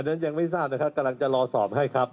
นั้นยังไม่ทราบนะครับกำลังจะรอสอบให้ครับ